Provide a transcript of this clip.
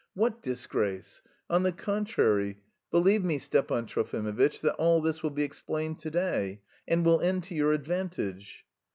"What disgrace? On the contrary! Believe me, Stepan Trofimovitch, that all this will be explained to day and will end to your advantage...."